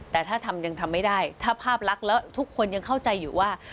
แต่ถ้าทำยังทำไม่ได้ถ้าภาพลักษณ์แล้วทุกคนยังเข้าใจอยู่ว่า